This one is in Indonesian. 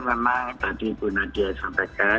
karena tadi bu nadia sampaikan